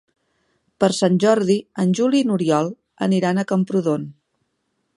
Per Sant Jordi en Juli i n'Oriol aniran a Camprodon.